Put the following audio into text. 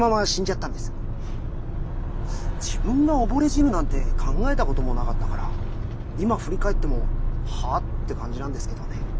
自分が溺れ死ぬなんて考えたこともなかったから今振り返っても「は？」って感じなんですけどね。